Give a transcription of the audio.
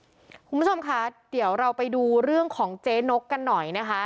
คุณผู้ชมคะเดี๋ยวเราไปดูเรื่องของเจ๊นกกันหน่อยนะคะ